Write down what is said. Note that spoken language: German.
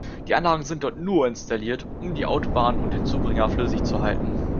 Die Anlagen sind dort nur installiert, um die Autobahn und den Zubringer flüssig zuhalten.